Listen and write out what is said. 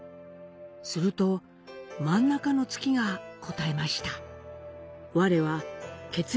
すると、真ん中の月が答えました。